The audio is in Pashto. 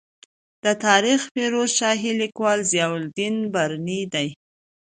د تاریخ فیروز شاهي لیکوال ضیا الدین برني دی.